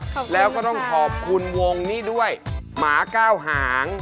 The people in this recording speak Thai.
ขอบคุณค่ะแล้วก็ต้องขอบคุณวงนี้ด้วยหมาก้าวหาง